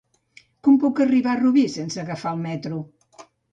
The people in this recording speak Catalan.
Com puc arribar a Rubí sense agafar el metro?